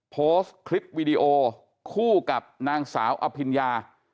โพสต์คลิปวิดีโอคู่กับนางสาวอภิญญา